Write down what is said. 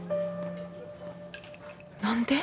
何で？